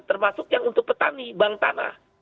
termasuk yang untuk petani bank tanah